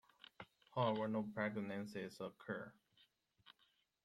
However, no pregnancies occur.